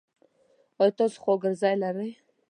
ایا تاسو خواګرځی لری؟